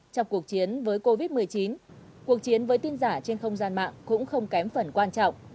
trong cuộc chiến với covid một mươi chín cuộc chiến với tin giả trên không gian mạng cũng không kém phần quan trọng